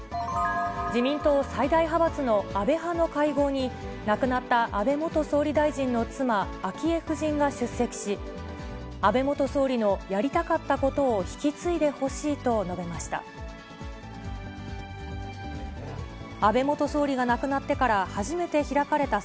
自民党最大派閥の安倍派の会合に、亡くなった安倍元総理大臣の妻、昭恵夫人が出席し、安倍元総理のやりたかったことを引き継いでほしいと述べました。